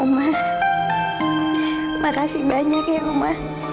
oma makasih banyak ya oma